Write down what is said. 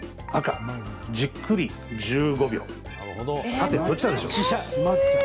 さて、どちらでしょう？